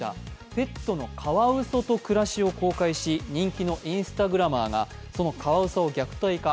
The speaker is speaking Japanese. ペットのカワウソとの暮らしを公開し、人気のインスタグラマーがそのカワウソを虐待か。